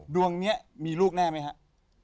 ดวงนี้มีลูกแน่ไหมครับ